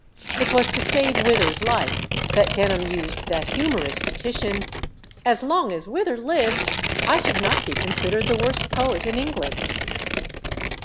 It was to save Wither's life that Denham used that humorous petition "As long as Wither lives I should not be considered the worst poet in England."